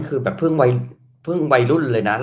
อืม